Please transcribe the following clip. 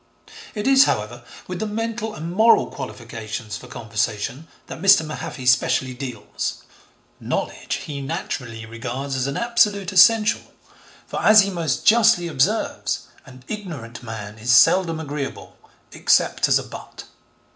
It is, however, with the mental and moral qualifications for conversation that Mr. Mahaffy specially deals. Knowledge he, naturally, regards as an absolute essential, for, as he most justly observes, 'an ignorant man is seldom agreeable, except as a butt.'